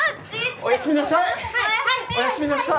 おやすみなさい！